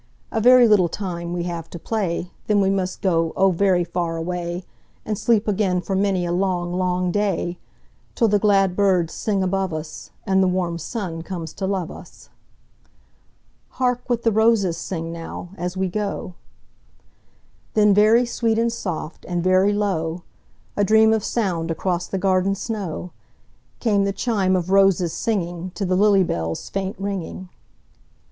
"A very little time we have to play, Then must we go, oh, very far away, And sleep again for many a long, long day, Till the glad birds sing above us, And the warm sun comes to love us."Hark what the roses sing now, as we go;"Then very sweet and soft, and very low,—A dream of sound across the garden snow,—Came the chime of roses singingTo the lily bell's faint ringing.